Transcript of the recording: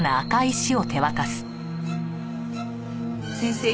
先生